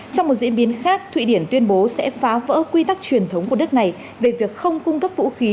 trong một diễn biến khác thụy điển tuyên bố sẽ phá vỡ quy tắc truyền thống của đất này về việc không cung cấp vũ khí